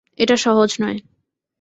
এটা সহজ নয়।